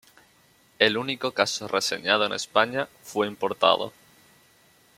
El único caso reseñado en España fue importado.